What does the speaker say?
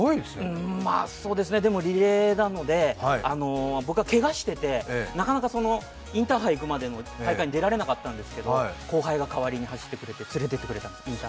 うーん、まあそうですね、でもリレーなので、僕はけがしてて、なかなかインターハイいくまでの大会に出られなかったんですけど、後輩がかわりに走ってくれて連れて行ってくれたんです。